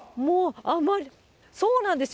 そうなんですよ。